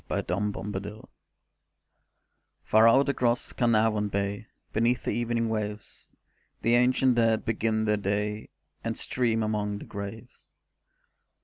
THE WELSH SEA Far out across Carnarvon bay, Beneath the evening waves, The ancient dead begin their day And stream among the graves.